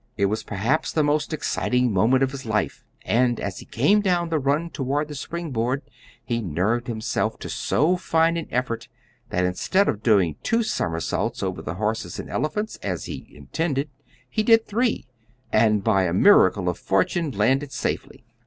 It was perhaps the most exciting moment of his life, and as he came down the run toward the spring board he nerved himself to so fine an effort that instead of doing two somersaults over the horses and elephants, as he intended, he did three, and, by a miracle of fortune, landed safely.